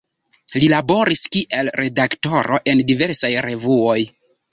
Li laboris kiel redaktoro en diversaj revuoj.